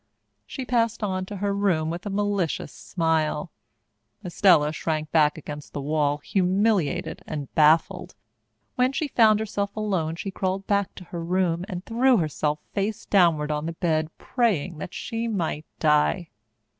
She passed on to her room with a malicious smile. Estella shrank back against the wall, humiliated and baffled. When she found herself alone, she crawled back to her room and threw herself face downward on the bed, praying that she might die.